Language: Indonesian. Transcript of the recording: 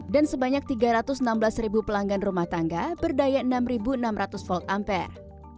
dan sebanyak tiga ratus enam belas ribu pelanggan rumah tangga berdaya enam enam ratus volt ampere